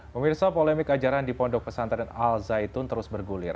pemirsa polemik ajaran di pondok pesantren al zaitun terus bergulir